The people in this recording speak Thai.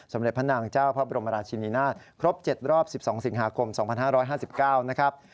เด็จพระนางเจ้าพระบรมราชินินาศครบ๗รอบ๑๒สิงหาคม๒๕๕๙นะครับ